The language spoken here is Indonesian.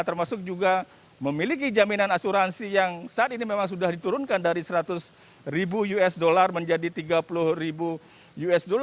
termasuk juga memiliki jaminan asuransi yang saat ini memang sudah diturunkan dari seratus ribu usd menjadi tiga puluh ribu usd